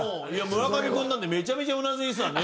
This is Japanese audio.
村上君なんてめちゃめちゃうなずいてたね